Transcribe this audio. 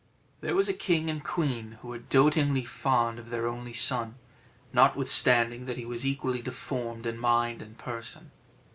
There was a king and queen who were dotingly fond of their only son, notwithstanding that he was equally deformed in mind and person.